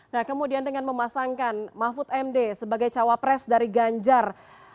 nah kemudian dengan memasangkan mahfud md sebagai cawapres dari ganjar